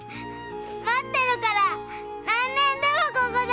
〔待ってるから何年でもここで！